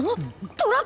トラックだ！